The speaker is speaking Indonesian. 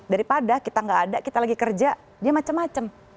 daripada kita nggak ada kita lagi kerja dia macem macem